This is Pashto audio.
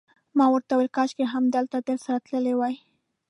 ما ورته وویل: کاشکي همالته درسره تللی وای.